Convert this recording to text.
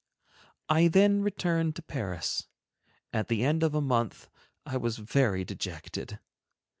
I then returned to Paris. At the end of a month I was very dejected.